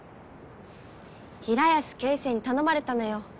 平安警視正に頼まれたのよ。